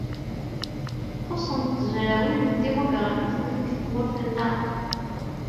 Xuṣṣent tezrawin n tedimugrafit deg tmurt-nneɣ.